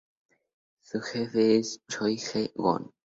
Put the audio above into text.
Su jefe es Choi Hee gon.